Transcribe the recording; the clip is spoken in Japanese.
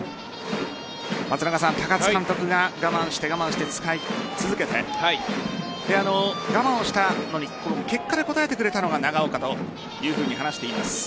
高津監督が我慢して使い続けて我慢をして結果で応えてくれたのが長岡というふうに話しています。